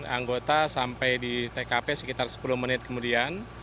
anggota sampai di tkp sekitar sepuluh menit kemudian